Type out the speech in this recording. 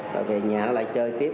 rồi về nhà nó lại chơi tiếp